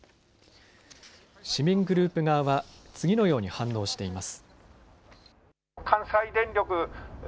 市民グループ側は次のように反応しています。